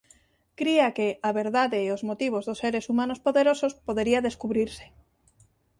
Cría que "a Verdade e os motivos dos seres humanos poderosos podería descubrirse.